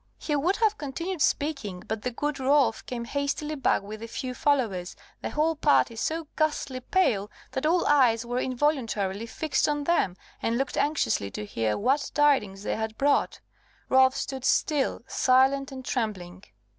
He would have continued speaking, but the good Rolf came hastily back with a few followers, the whole party so ghastly pale, that all eyes were involuntarily fixed on them, and looked anxiously to hear what tidings they had brought. Rolf stood still, silent and trembling.